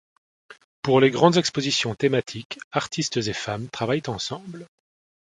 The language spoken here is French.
Pour les grandes expositions thématiques, artistes et femmes travaillent ensemble.